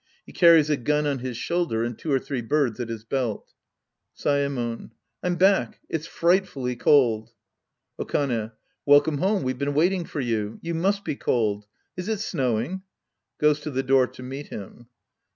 He car ries a gun on his shoulder and two or three birds at his belt.) Saemon. I'm back. It's frightfully cold. Okane. Welcome home. We've been waiting for you. You must be cold. Is it snowing ? {Goes to the door to meet Mm.)